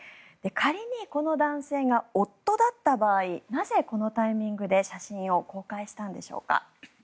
仮にこの男性が夫だった場合なぜ、このタイミングで写真を公開したんでしょうか。